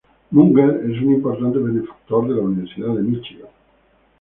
Munger es un importante benefactor de la Universidad de Míchigan.